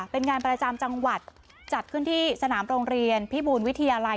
เป็นงานประจำจังหวัดจัดขึ้นที่สนามโรงเรียนพิบูรวิทยาลัย